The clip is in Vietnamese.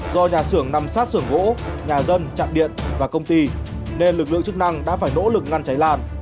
do nhà xưởng nằm sát sưởng gỗ nhà dân chạm điện và công ty nên lực lượng chức năng đã phải nỗ lực ngăn cháy lan